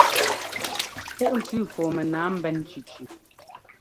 Púʼntʉʉ fɔɔ mɛnǎa mbɛ́n cʉcʉ.